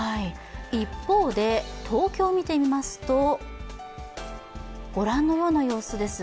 一方で東京を見てみますと、ご覧のような様子です。